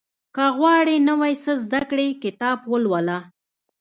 • که غواړې نوی څه زده کړې، کتاب ولوله.